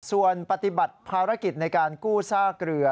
ส่วนปฏิบัติภารกิจในการกู้ซากเรือ